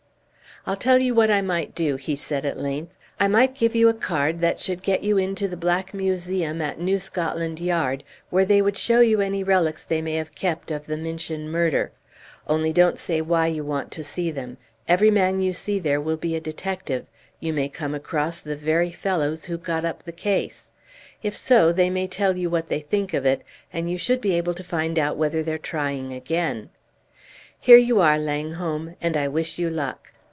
"I'll tell you what I might do," he said at length. "I might give you a card that should get you into the Black Museum at New Scotland Yard, where they would show you any relics they may have kept of the Minchin murder; only don't say why you want to see them. Every man you see there will be a detective; you may come across the very fellows who got up the case; if so, they may tell you what they think of it, and you should be able to find out whether they're trying again. Here you are, Langholm, and I wish you luck.